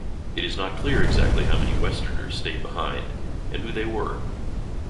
It is not clear exactly how many Westerners stayed behind and who they were.